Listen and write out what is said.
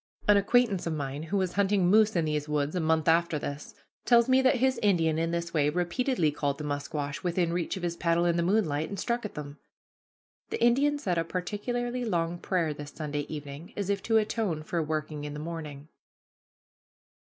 An acquaintance of mine who was hunting moose in these woods a month after this, tells me that his Indian in this way repeatedly called the musquash within reach of his paddle in the moonlight, and struck at them. The Indian said a particularly long prayer this Sunday evening, as if to atone for working in the morning.